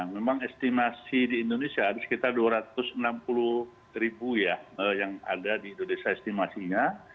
memang estimasi di indonesia ada sekitar dua ratus enam puluh ribu ya yang ada di indonesia estimasinya